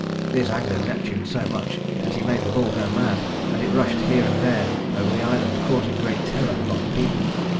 This angered Neptune so much that he made the bull go mad; and it rushed here and there over the island, causing great terror among the people.